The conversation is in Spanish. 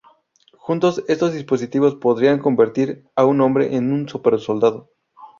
Juntos, estos dispositivos podrían convertir a un hombre en un súper soldado.